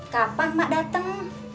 kapan mbak dateng